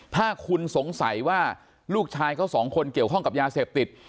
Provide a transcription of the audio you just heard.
ถ้าคุณสงสัยว่าลูกชายเขาสองคนเกี่ยวข้องกับยาเสพติด